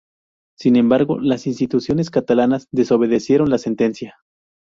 Sin embargo, las instituciones catalanas desobedecieron la sentencia.